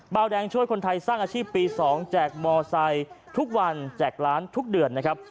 เบาแดงช่วยคนไทยสร้างอาชีพปี๒แจกมอไซค์ทุกวันแจกร้านทุกเดือนนะครับ